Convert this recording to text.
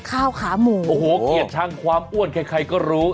ข้าวขาหมูโอ้โหเกลียดชังความอ้วนใครใครก็รู้